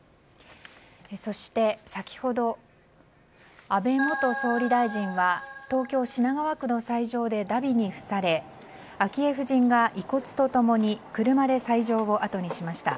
そして先ほど安倍元総理大臣は東京・品川区の斎場でだびに付され昭恵夫人が遺骨と共に車で斎場をあとにしました。